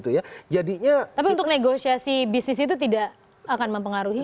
tapi untuk negosiasi bisnis itu tidak akan mempengaruhi